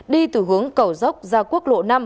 đi từ hướng cầu dốc ra quốc lộ năm